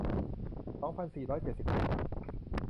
สองพันสี่ร้อยเจ็ดสิบเอ็ด